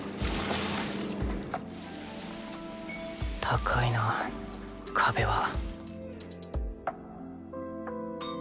高いな壁は